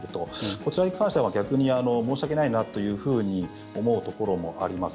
こちらに関しては逆に申し訳ないなというふうに思うところもあります。